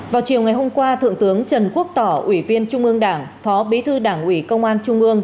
vào chiều ngày hôm qua thượng tướng trần quốc tỏ ủy viên trung ương đảng phó bí thư đảng ủy công an trung ương